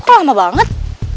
kok lama banget